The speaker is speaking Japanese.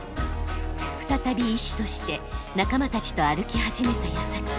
再び医師として仲間たちと歩き始めたやさき。